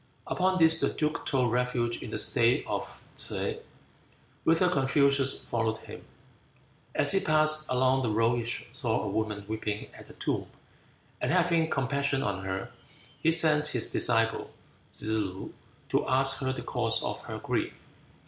Upon this the duke took refuge in the state of T'se, whither Confucius followed him. As he passed along the road he saw a woman weeping at a tomb, and having compassion on her, he sent his disciple Tsze loo to ask her the cause of her grief.